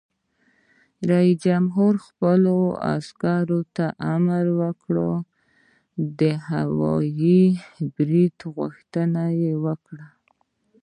رئیس جمهور خپلو عسکرو ته امر وکړ؛ د هوايي برید غوښتنه وکړئ!